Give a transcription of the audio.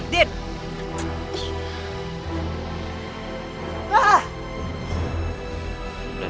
budi ayo buruan jalan